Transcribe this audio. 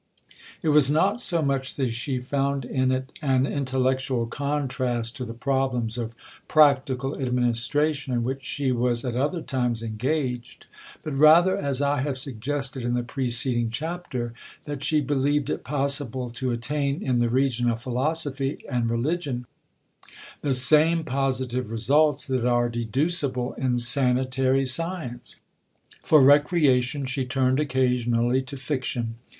It was not so much that she found in it an intellectual contrast to the problems of practical administration in which she was at other times engaged, but rather, as I have suggested in the preceding chapter, that she believed it possible to attain in the region of philosophy and religion the same positive results that are deducible in sanitary science. For recreation, she turned occasionally to fiction.